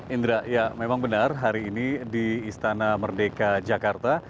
indra ya memang benar hari ini di istana merdeka jakarta